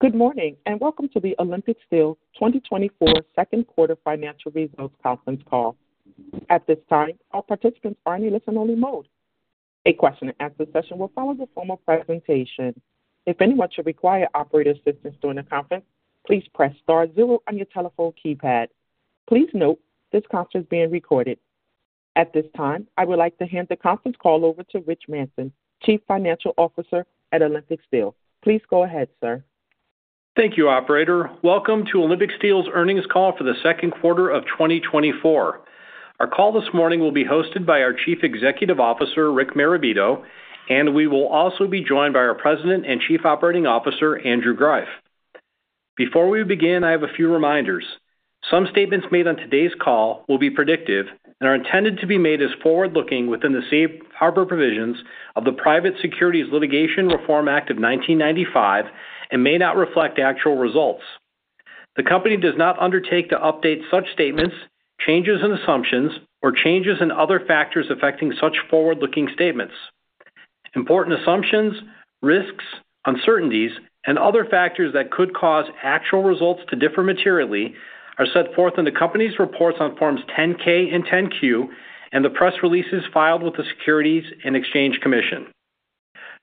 Good morning and welcome to the Olympic Steel 2024 Q2 financial results conference call. At this time, all participants are in a listen-only mode. A question and answer session will follow the formal presentation. If anyone should require operator assistance during the conference, please press Star zero on your telephone keypad. Please note this conference is being recorded. At this time, I would like to hand the conference call over to Rich Manson, Chief Financial Officer at Olympic Steel. Please go ahead, sir. Thank you, Operator. Welcome to Olympic Steel's earnings call for the Q2 of 2024. Our call this morning will be hosted by our Chief Executive Officer, Rick Marabito, and we will also be joined by our President and Chief Operating Officer, Andrew Greiff. Before we begin, I have a few reminders. Some statements made on today's call will be predictive and are intended to be made as forward-looking within the safe harbor provisions of the Private Securities Litigation Reform Act of 1995 and may not reflect actual results. The company does not undertake to update such statements, changes in assumptions, or changes in other factors affecting such forward-looking statements. Important assumptions, risks, uncertainties, and other factors that could cause actual results to differ materially are set forth in the company's reports on Forms 10-K and 10-Q and the press releases filed with the Securities and Exchange Commission.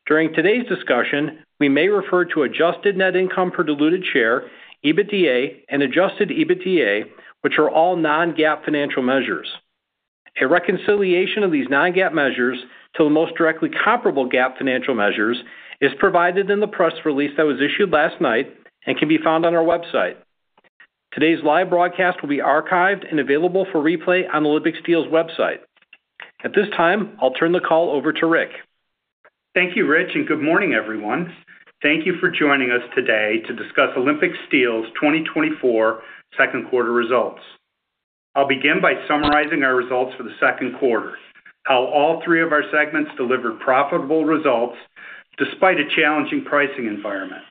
During today's discussion, we may refer to adjusted net income per diluted share, EBITDA, and adjusted EBITDA, which are all non-GAAP financial measures. A reconciliation of these non-GAAP measures to the most directly comparable GAAP financial measures is provided in the press release that was issued last night and can be found on our website. Today's live broadcast will be archived and available for replay on Olympic Steel's website. At this time, I'll turn the call over to Rick. Thank you, Rich, and good morning, everyone. Thank you for joining us today to discuss Olympic Steel's 2024 Q2 results. I'll begin by summarizing our results for the Q2, how all three of our segments delivered profitable results despite a challenging pricing environment.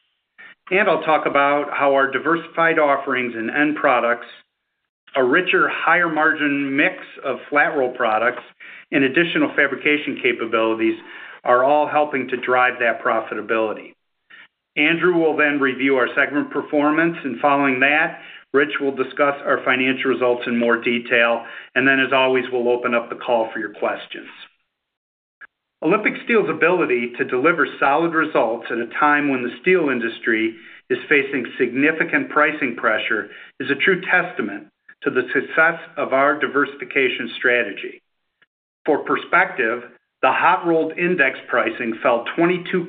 I'll talk about how our diversified offerings and end products, a richer, higher margin mix of flat roll products, and additional fabrication capabilities are all helping to drive that profitability. Andrew will then review our segment performance, and following that, Rich will discuss our financial results in more detail, and then, as always, we'll open up the call for your questions. Olympic Steel's ability to deliver solid results at a time when the steel industry is facing significant pricing pressure is a true testament to the success of our diversification strategy. For perspective, the hot-rolled index pricing fell 22%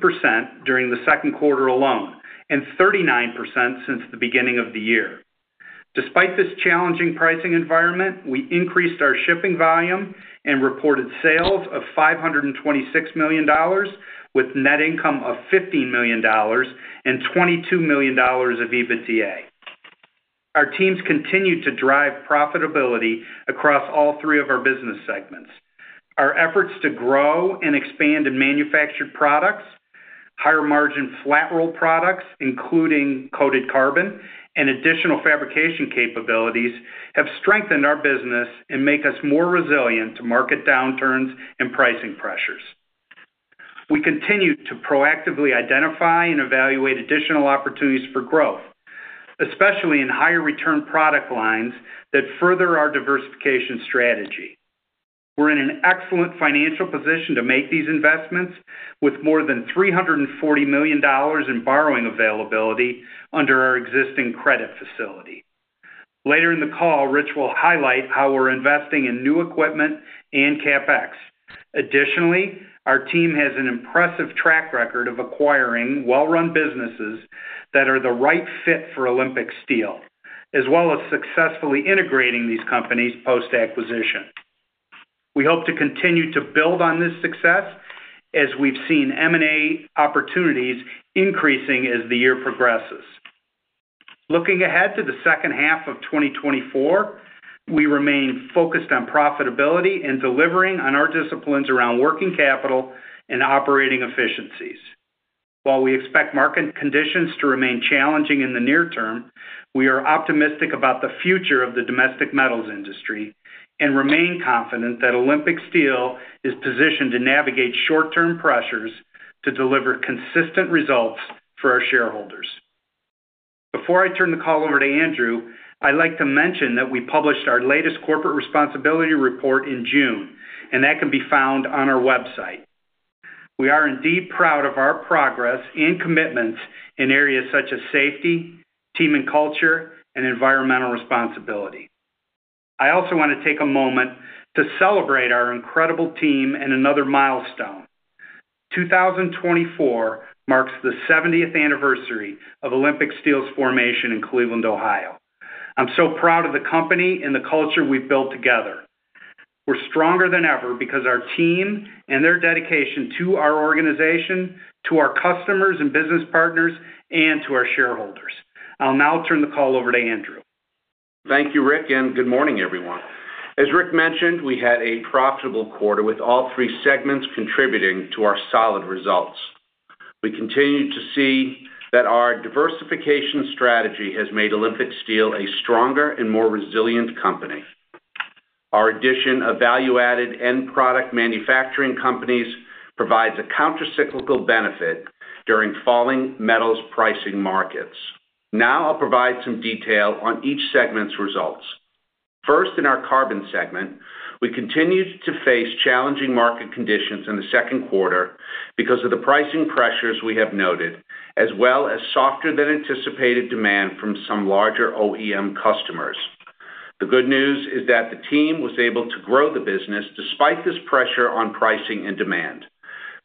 during the Q2 alone and 39% since the beginning of the year. Despite this challenging pricing environment, we increased our shipping volume and reported sales of $526 million, with net income of $15 million and $22 million of EBITDA. Our teams continue to drive profitability across all three of our business segments. Our efforts to grow and expand in manufactured products, higher margin Flat Roll products, including coated carbon and additional fabrication capabilities, have strengthened our business and make us more resilient to market downturns and pricing pressures. We continue to proactively identify and evaluate additional opportunities for growth, especially in higher return product lines that further our diversification strategy. We're in an excellent financial position to make these investments, with more than $340 million in borrowing availability under our existing credit facility. Later in the call, Rich will highlight how we're investing in new equipment and CapEx. Additionally, our team has an impressive track record of acquiring well-run businesses that are the right fit for Olympic Steel, as well as successfully integrating these companies post-acquisition. We hope to continue to build on this success as we've seen M&A opportunities increasing as the year progresses. Looking ahead to the H2 of 2024, we remain focused on profitability and delivering on our disciplines around working capital and operating efficiencies. Well, we expect market conditions to remain challenging in the near term, we are optimistic about the future of the domestic metals industry and remain confident that Olympic Steel is positioned to navigate short-term pressures to deliver consistent results for our shareholders. Before I turn the call over to Andrew, I'd like to mention that we published our latest corporate responsibility report in June, and that can be found on our website. We are indeed proud of our progress and commitments in areas such as safety, team and culture, and environmental responsibility. I also want to take a moment to celebrate our incredible team and another milestone. 2024 marks the 70th anniversary of Olympic Steel's formation in Cleveland, Ohio. I'm so proud of the company and the culture we've built together. We're stronger than ever because of our team and their dedication to our organization, to our customers and business partners, and to our shareholders. I'll now turn the call over to Andrew. Thank you, Rick, and good morning, everyone. As Rick mentioned, we had a profitable quarter with all three segments contributing to our solid results. We continue to see that our diversification strategy has made Olympic Steel a stronger and more resilient company. Our addition of value-added end product manufacturing companies provides a counter-cyclical benefit during falling metals pricing markets. Now I'll provide some detail on each segment's results. First, in our carbon segment, we continued to face challenging market conditions in the Q2 because of the pricing pressures we have noted, as well as softer than anticipated demand from some larger OEM customers. The good news is that the team was able to grow the business despite this pressure on pricing and demand.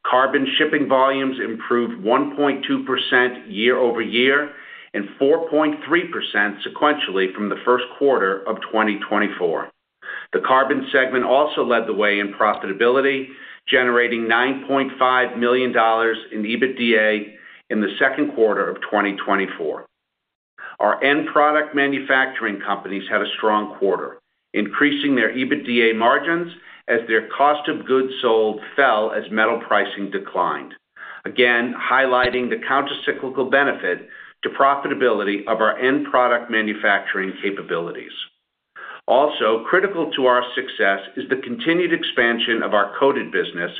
Carbon shipping volumes improved 1.2% year over year and 4.3% sequentially from the Q1 of 2024. The carbon segment also led the way in profitability, generating $9.5 million in EBITDA in the Q2 of 2024. Our end product manufacturing companies had a strong quarter, increasing their EBITDA margins as their cost of goods sold fell as metal pricing declined, again highlighting the counter-cyclical benefit to profitability of our end product manufacturing capabilities. Also, critical to our success is the continued expansion of our coated business,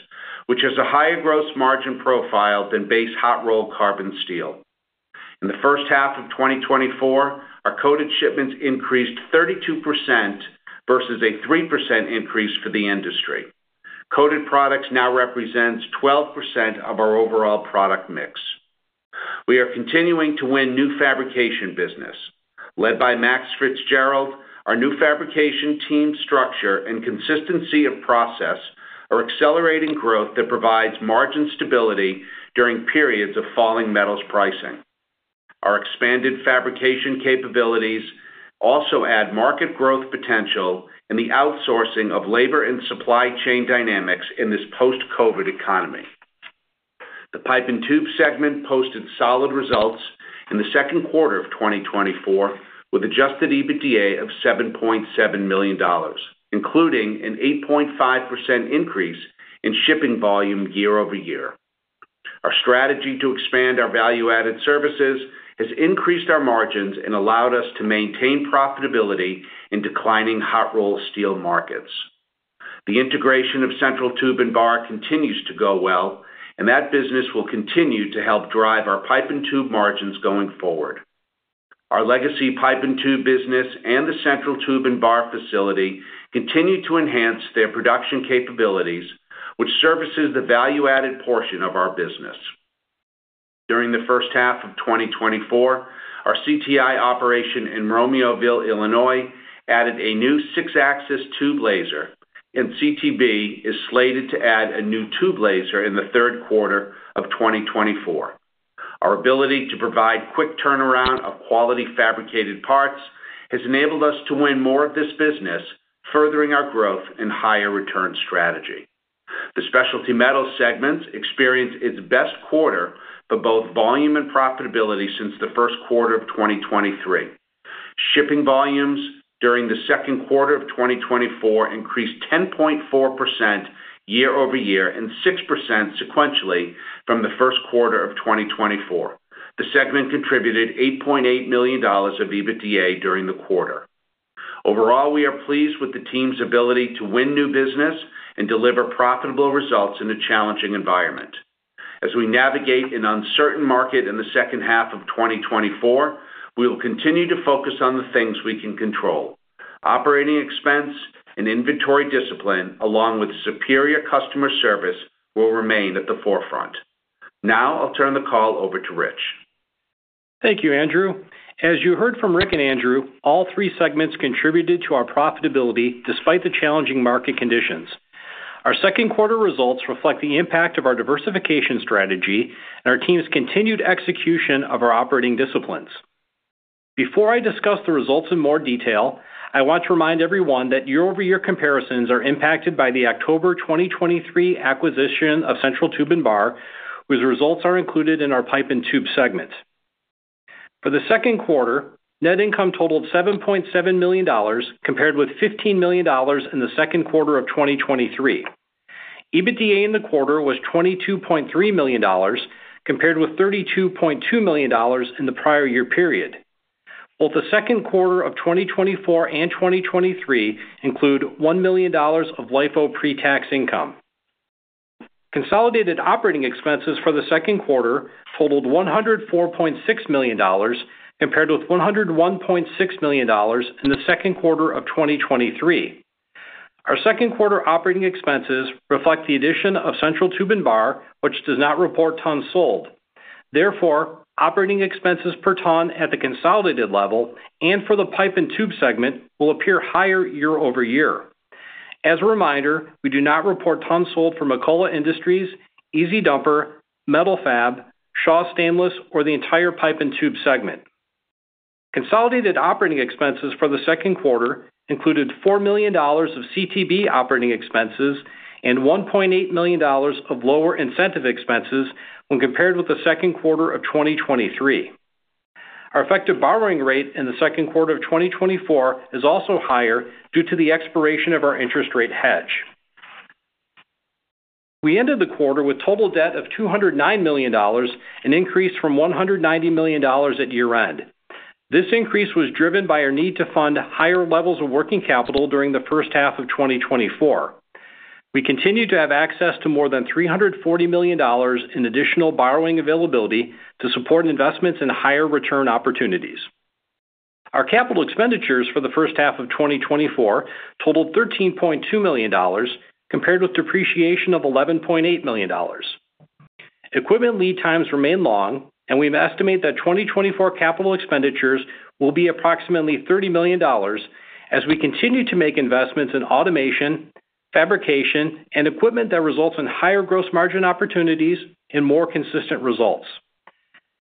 which has a higher gross margin profile than base hot-rolled carbon steel. In the H1 of 2024, our coated shipments increased 32% versus a 3% increase for the industry. Coated products now represent 12% of our overall product mix. We are continuing to win new fabrication business. Led by Max Fitzgerald, our new fabrication team structure and consistency of process are accelerating growth that provides margin stability during periods of falling Metals pricing. Our expanded fabrication capabilities also add market growth potential in the outsourcing of labor and supply chain dynamics in this post-COVID economy. The pipe and tube segment posted solid results in the Q2 of 2024 with adjusted EBITDA of $7.7 million, including an 8.5% increase in shipping volume year over year. Our strategy to expand our value-added services has increased our margins and allowed us to maintain profitability in declining hot roll steel markets. The integration of Central Tube and Bar continues to go well, and that business will continue to help drive our pipe and tube margins going forward. Our legacy pipe and tube business and the Central Tube and Bar facility continue to enhance their production capabilities, which services the value-added portion of our business. During the H1 of 2024, our CTI operation in Romeoville, Illinois, added a new six-axis tube laser, and CTB is slated to add a new tube laser in the Q3 of 2024. Our ability to provide quick turnaround of quality fabricated parts has enabled us to win more of this business, furthering our growth and higher return strategy. The specialty metals segment experienced its best quarter for both volume and profitability since the Q1 of 2023. Shipping volumes during the Q2 of 2024 increased 10.4% year over year and 6% sequentially from the Q1 of 2024. The segment contributed $8.8 million of EBITDA during the quarter. Overall, we are pleased with the team's ability to win new business and deliver profitable results in a challenging environment. As we navigate an uncertain market in the H2 of 2024, we will continue to focus on the things we can control. Operating expense and inventory discipline, along with superior customer service, will remain at the Forefront. Now I'll turn the call over to Rich. Thank you, Andrew. As you heard from Rick and Andrew, all three segments contributed to our profitability despite the challenging market conditions. Our Q2 results reflect the impact of our diversification strategy and our team's continued execution of our operating disciplines. Before I discuss the results in more detail, I want to remind everyone that year over year comparisons are impacted by the October 2023 acquisition of Central Tube and Bar, whose results are included in our pipe and tube segment. For the Q2, net income totaled $7.7 million compared with $15 million in the Q2 of 2023. EBITDA in the quarter was $22.3 million compared with $32.2 million in the prior year period. Both the Q2 of 2024 and 2023 include $1 million of LIFO, pre-tax income. Consolidated operating expenses for the Q2 totaled $104.6 million compared with $101.6 million in the Q2 of 2023. Our Q2 operating expenses reflect the addition of Central Tube and Bar, which does not report tons sold. Therefore, operating expenses per ton at the consolidated level and for the pipe and tube segment will appear higher year over year. As a reminder, we do not report tons sold for McCullough Industries, EZ-Dumper, Metal-Fab, Shaw Stainless, or the entire pipe and Tube segment. Consolidated operating expenses for the Q2 included $4 million of CTB operating expenses and $1.8 million of lower incentive expenses when compared with the Q2 of 2023. The effective borrowing rate in the Q2 of 2024 is also higher due to the expiration of our interest rate hedge. We ended the quarter with total debt of $209 million and increased from $190 million at year-end. This increase was driven by our need to fund higher levels of working capital during the H1 of 2024. We continue to have access to more than $340 million in additional borrowing availability to support investments in higher return opportunities. Our capital expenditures for the H1 of 2024 totaled $13.2 million compared with depreciation of $11.8 million. Equipment, lead times remain long, and we estimate that 2024 capital expenditures will be approximately $30 million as we continue to make investments in automation, fabrication, and equipment that results in higher gross margin opportunities and more consistent results.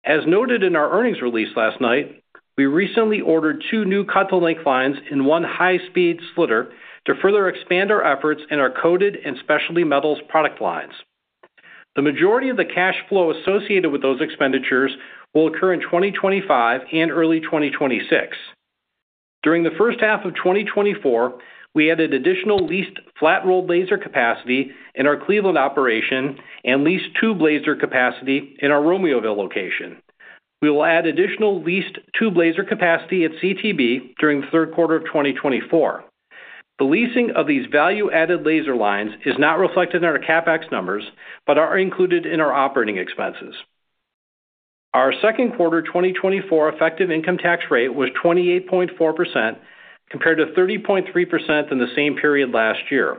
As noted in our earnings release last night, we recently ordered two new cut-to-length lines and one high-speed slitter to further expand our efforts in our coated and specialty metals product lines. The majority of the cash flow associated with those expenditures will occur in 2025 and early 2026. During the H1 of 2024, we added additional leased flat-rolled laser capacity in our Cleveland operation and leased tube laser capacity in our Romeoville location. We will add additional leased tube laser capacity at CTB during the Q3 of 2024. The leasing of these value-added laser lines is not reflected in our CapEx numbers but are included in our operating expenses. Our Q2 2024 effective income tax rate was 28.4% compared to 30.3% in the same period last year.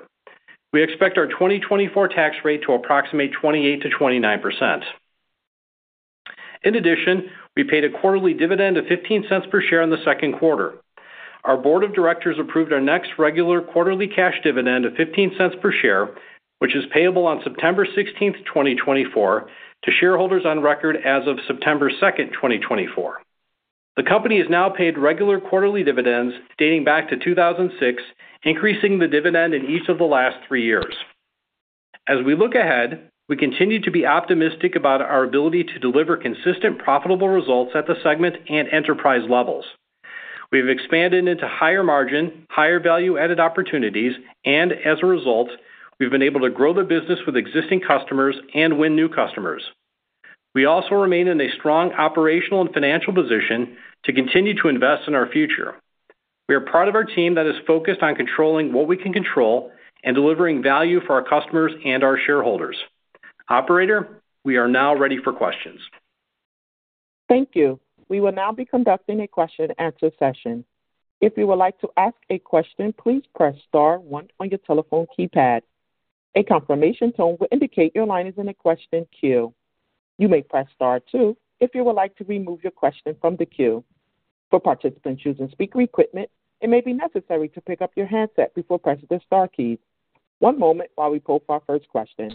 We expect our 2024 tax rate to approximate 28%-29%. In addition, we paid a quarterly dividend of $0.15 per share in the Q2. Our board of directors approved our next regular quarterly cash dividend of $0.15 per share, which is payable on September 16, 2024, to shareholders on record as of September 2, 2024. The company has now paid regular quarterly dividends dating back to 2006, increasing the dividend in each of the last three years. As we look ahead, we continue to be optimistic about our ability to deliver consistent profitable results at the segment and enterprise levels. We have expanded into higher margin, higher value-added opportunities, and as a result, we've been able to grow the business with existing customers and win new customers. We also remain in a strong operational and financial position to continue to invest in our future. We are part of our team that is focused on controlling what we can control and delivering value for our customers and our shareholders. Operator, we are now ready for questions. Thank you. We will now be conducting a question-and-answer session. If you would like to ask a question, please press star one on your telephone keypad. A confirmation tone will indicate your line is in a question queue. You may press star two if you would like to remove your question from the Queue. For participants using speaker equipment, it may be necessary to pick up your handset before pressing the star key. One moment while we pull for our first question.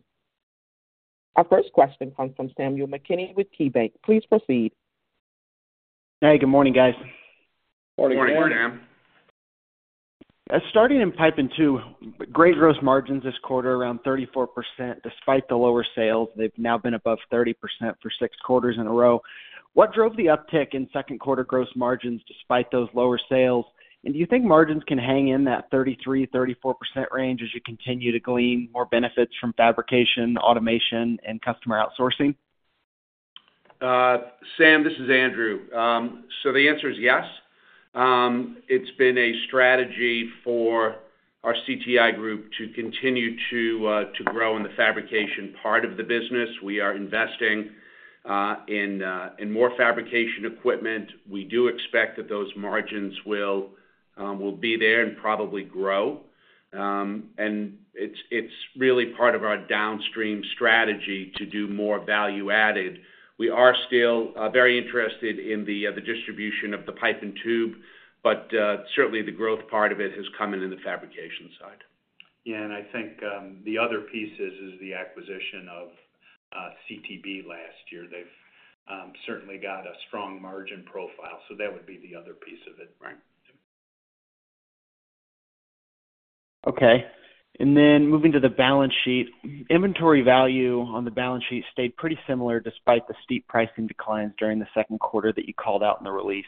Our first question comes from Samuel McKinney with KeyBanc. Please proceed. Hey, good morning, guys. Morning, Sam. Morning, Sam. Starting in pipe and tube, great gross margins this quarter, around 34% despite the lower sales. They've now been above 30% for six quarters in a row. What drove the uptick in Q2 gross margins despite those lower sales? And do you think margins can hang in that 33%-34% range as you continue to glean more benefits from fabrication, automation, and customer outsourcing? Sam, this is Andrew. So the answer is yes. It's been a strategy for our CTI group to continue to grow in the fabrication part of the business. We are investing in more fabrication equipment. We do expect that those margins will be there and probably grow. And it's really part of our downstream strategy to do more value-added. We are still very interested in the distribution of the pipe and tube, but certainly the growth part of it has come in in the fabrication side. Yeah, and I think the other piece is the acquisition of CTB last year. They've certainly got a strong margin profile. So that would be the other piece of it. Right. Okay. Moving to the balance sheet, inventory value on the balance sheet stayed pretty similar despite the steep pricing declines during the Q2 that you called out in the release.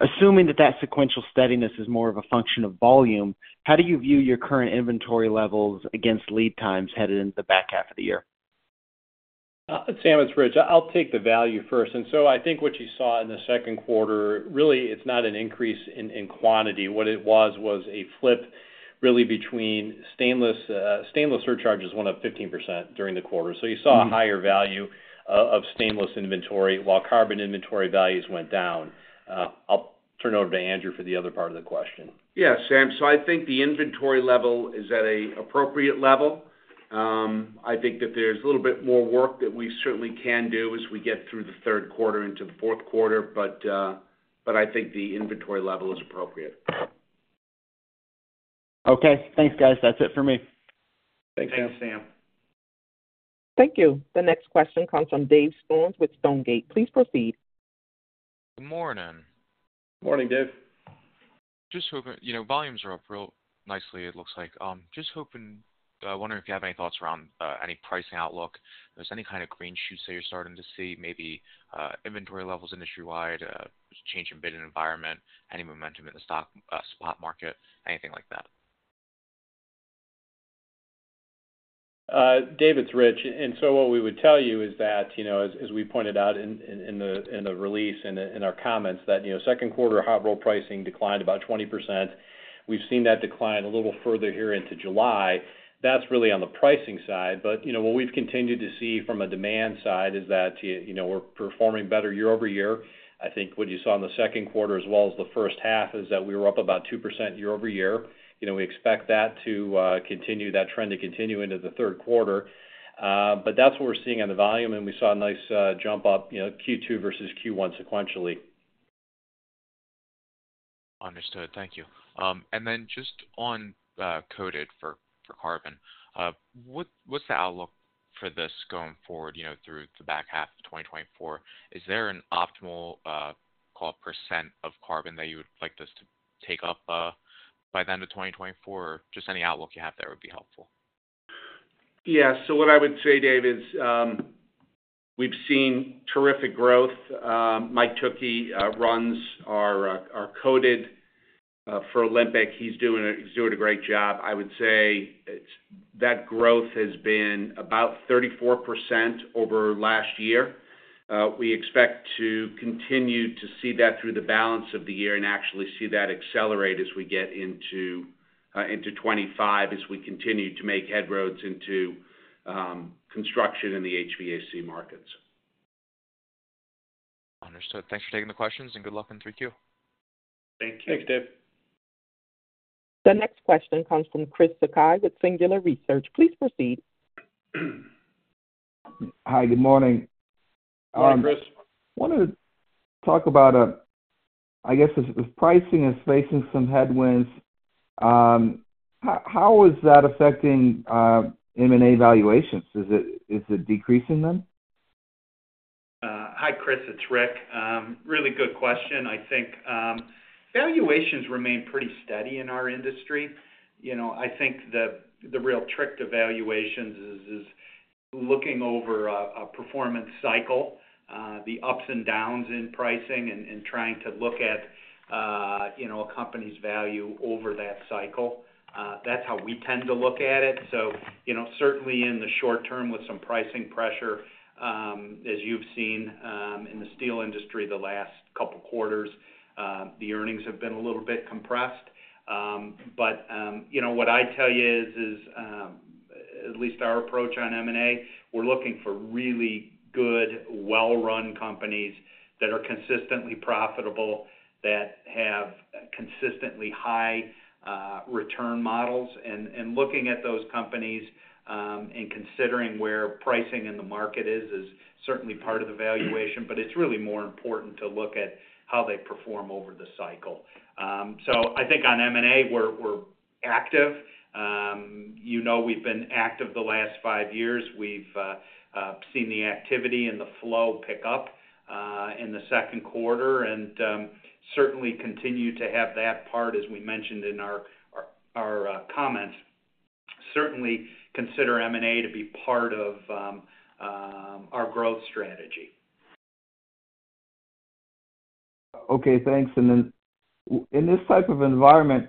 Assuming that that sequential steadiness is more of a function of volume, how do you view your current inventory levels against lead times headed into the back half of the year? Sam, it's Rich. I'll take the value first. And so I think what you saw in the Q2, really it's not an increase in quantity. What it was was a flip really between stainless surcharges went up 15% during the quarter. So you saw a higher value of stainless inventory while carbon inventory values went down. I'll turn it over to Andrew for the other part of the question. Yeah, Sam. So I think the inventory level is at an appropriate level. I think that there's a little bit more work that we certainly can do as we get through the Q3 into the Q4, but I think the inventory level is appropriate. Okay. Thanks, guys. That's it for me. Thanks, Sam. Thanks, Sam. Thank you. The next question comes from Dave Storms with Stonegate. Please proceed. Good morning. Morning, Dave. Just hoping volumes are up real nicely, it looks like. Just hoping, wondering if you have any thoughts around any pricing outlook. If there's any kind of green shoots that you're starting to see, maybe inventory levels industry-wide, change in bid and environment, any momentum in the stock spot market, anything like that. Dave, Rich. So what we would tell you is that, as we pointed out in the release and in our comments, that Q2 hot-rolled pricing declined about 20%. We've seen that decline a little further here into July. That's really on the pricing side. But what we've continued to see from a demand side is that we're performing better year over year. I think what you saw in the Q2 as well as the H1 is that we were up about 2% year over year. We expect that to continue that trend to continue into the Q3. But that's what we're seeing on the volume, and we saw a nice jump up Q2 versus Q1 sequentially. Understood. Thank you. And then just on coated for carbon, what's the outlook for this going forward through the back half of 2024? Is there an optimal coil % of carbon that you would like us to take up by the end of 2024? Or just any outlook you have there would be helpful. Yeah. So what I would say, David, is we've seen terrific growth. Mike Tokie runs our coated division for Olympic. He's doing a great job. I would say that growth has been about 34% over last year. We expect to continue to see that through the balance of the year and actually see that accelerate as we get into 2025 as we continue to make inroads into construction in the HVAC markets. Understood. Thanks for taking the questions, and good luck in 3Q. Thank you. Thanks, Dave. The next question comes from Chris Sakai with Singular Research. Please proceed. Hi, good morning. Hey, Chris. I want to talk about, I guess, if pricing is facing some headwinds, how is that affecting M&A valuations? Is it decreasing them? Hi, Chris. It's Rick. Really good question, I think evaluations remain pretty steady in our industry. I think the real trick to valuations is looking over a performance cycle, the ups and downs in pricing, and trying to look at a company's value over that cycle? That's how we tend to look at it. So certainly in the short term with some pricing pressure, as you've seen in the steel industry the last couple of quarters, the earnings have been a little bit compressed. But what I tell you is, at least our approach on M&A, we're looking for really good, well-run companies that are consistently profitable, that have consistently high return models. And looking at those companies and considering where pricing in the market is is certainly part of the valuation, but it's really more important to look at how they perform over the cycle. I think on M&A, we're active. We've been active the last five years. We've seen the activity and the flow pick up in the Q2 and certainly continue to have that part, as we mentioned in our comments. Certainly consider M&A to be part of our growth strategy. Okay. Thanks. And then in this type of environment,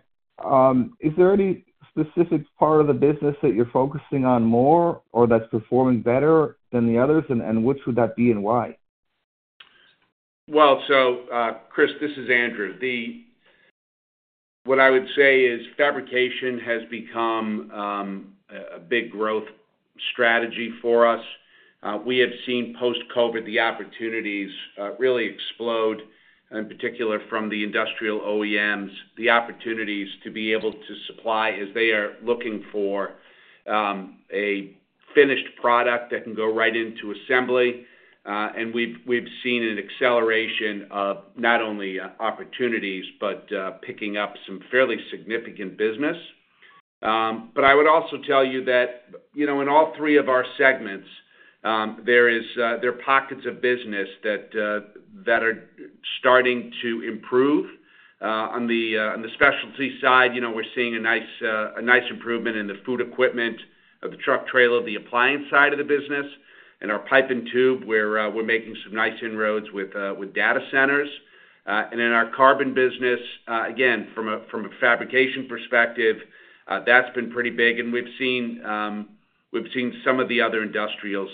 It's there any specific part of the business that you're focusing on more or that's performing better than the others, and which would that be and why? Well, so Chris, this is Andrew. What I would say is fabrication has become a big growth strategy for us. We have seen post-COVID the opportunities really explode, in particular from the industrial OEMs, the opportunities to be able to supply as they are looking for a finished product that can go right into assembly. And we've seen an acceleration of not only opportunities but picking up some fairly significant business. But I would also tell you that in all three of our segments, there are pockets of business that are starting to improve. On the specialty side, we're seeing a nice improvement in the food equipment, the truck trailer, the appliance side of the business, and our pipe and tube where we're making some nice inroads with data centers. And in our carbon business, again, from a fabrication perspective, that's been pretty big. We've seen some of the other industrials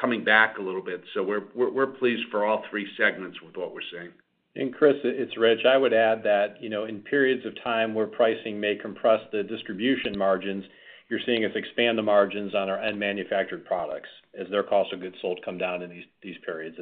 coming back a little bit. We're pleased for all three segments with what we're seeing. Chris, it's Rich. I would add that in periods of time where pricing may compress the distribution margins, you're seeing us expand the margins on our unmanufactured products as their cost of goods sold come down in these periods.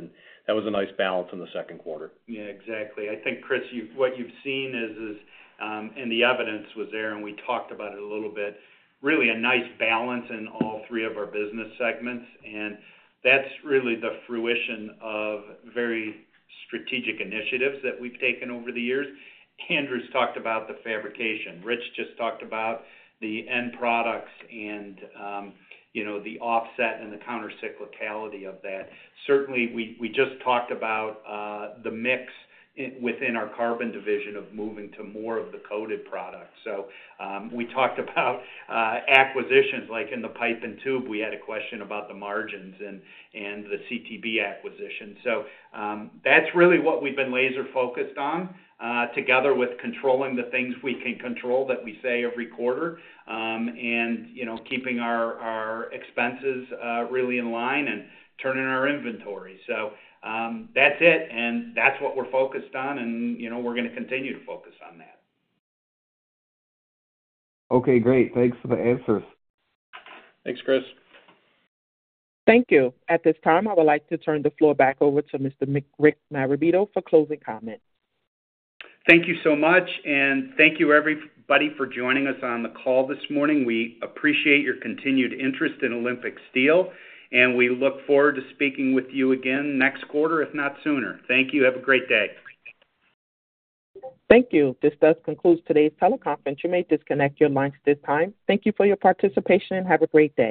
That was a nice balance in the Q2. Yeah, exactly. I think, Chris, what you've seen is, and the evidence was there, and we talked about it a little bit, really a nice balance in all three of our business segments, and that's really the fruition of very strategic initiatives that we've taken over the years. Andrew's talked about the fabrication. Rich just talked about the end products and the offset and the counter-cyclicality of that. Certainly, we just talked about the mix within our carbon division of moving to more of the coated products. So we talked about acquisitions like in the pipe and tube. We had a question about the margins and the CTB acquisition. So that's really what we've been laser-focused on together with controlling the things we can control that we say every quarter and keeping our expenses really in line and turning our inventory. So that's it. That's what we're focused on, and we're going to continue to focus on that. Okay, great. Thanks for the answers. Thanks, Chris. Thank you. At this time, I would like to turn the floor back over to Mr. Rick Marabito for closing comments. Thank you so much. Thank you, everybody, for joining us on the call this morning. We appreciate your continued interest in Olympic Steel, and we look forward to speaking with you again next quarter, if not sooner. Thank you. Have a great day. Thank you. This does conclude today's teleconference. You may disconnect your lines at this time. Thank you for your participation and have a great day.